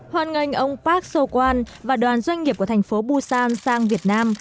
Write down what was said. hoan nghênh ông park so quan và đoàn doanh nghiệp của thành phố busan sang việt nam